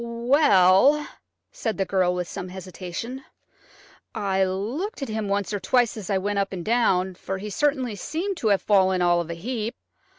"Well," said the girl with some hesitation, "I looked at him once or twice as I went up and down, for he certainly seemed to have fallen all of a heap.